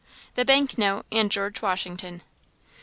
The Bank Note and George Washington.